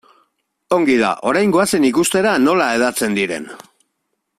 Ongi da, orain goazen ikustera nola hedatzen diren.